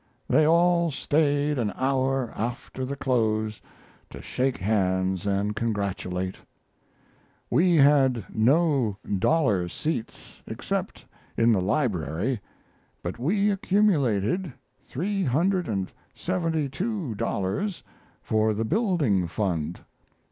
They all stayed an hour after the close to shake hands and congratulate. We had no dollar seats except in the library, but we accumulated $372 for the Building Fund.